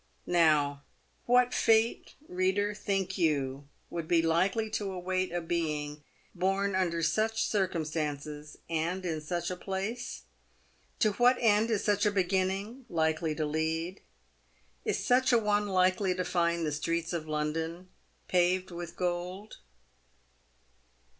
Now what fate, reader, think you, would be likely to await a being born under such circumstances, and in such a place ? To what end is such a beginning likely to lead ? Is such a one likely to find the streets of London " paved with gold